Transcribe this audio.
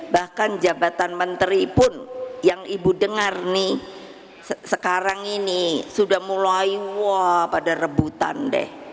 bahkan jabatan menteri pun yang ibu dengar nih sekarang ini sudah mulai wah pada rebutan deh